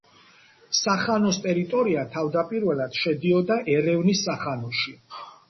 სახანოს ტერიტორია თავდაპირველად შედიოდა ერევნის სახანოში.